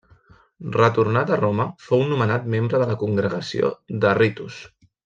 Retornat a Roma, fou nomenat membre de la Congregació de Ritus.